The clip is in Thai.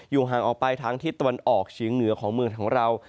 อยู่ห่างออกไปทางที่ตะวันออกชิงเหนือของเมืองของเรา